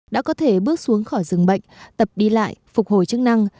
đã có thể bước xuống khỏi rừng bệnh tập đi lại phục hồi chức năng